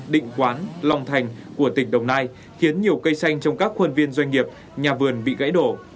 định quán long thành của tỉnh đồng nai khiến nhiều cây xanh trong các khuôn viên doanh nghiệp nhà vườn bị gãy đổ